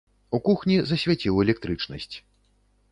У кухні засвяціў электрычнасць.